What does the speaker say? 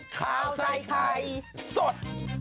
ข้าวใส่ไข่สด